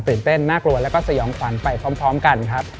เต้นน่ากลัวแล้วก็สยองขวัญไปพร้อมกันครับ